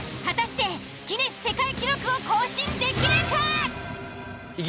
果たしてギネス世界記録を更新できるか。